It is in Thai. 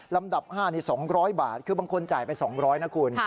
ลำดับ๕๒๐๐บาทคือบางคนจ่ายไป๒๐๐นะคุณ